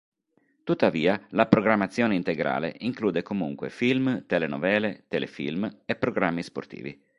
Tuttavia la programmazione integrale include comunque film, telenovele, telefilm e programmi sportivi.